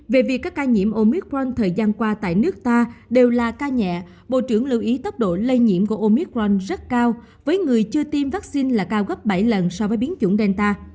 về việc các ca nhiễm omic pron thời gian qua tại nước ta đều là ca nhẹ bộ trưởng lưu ý tốc độ lây nhiễm của omicron rất cao với người chưa tiêm vaccine là cao gấp bảy lần so với biến chủng delta